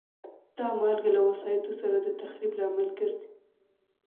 دا مالګه له وسایطو سره د تخریب لامل ګرځي.